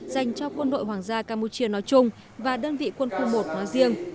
dành cho quân đội hoàng gia campuchia nói chung và đơn vị quân khu một nói riêng